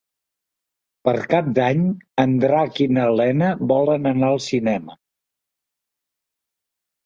Per Cap d'Any en Drac i na Lena volen anar al cinema.